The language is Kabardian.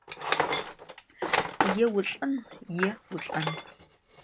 Yêulh'ın, yêulh'en.